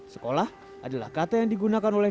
sekolah adalah kata yang digunakan oleh